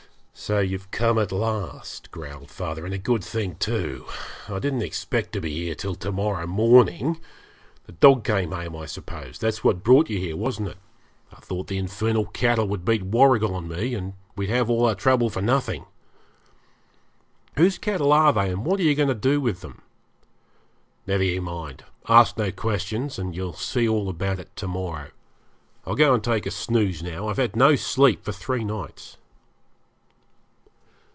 'So you've come at last,' growled father, 'and a good thing too. I didn't expect to be here till to morrow morning. The dog came home, I suppose that's what brought you here, wasn't it? I thought the infernal cattle would beat Warrigal and me, and we'd have all our trouble for nothing.' 'Whose cattle are they, and what are you going to do with them?' 'Never you mind; ask no questions, and you'll see all about it to morrow. I'll go and take a snooze now; I've had no sleep for three nights.'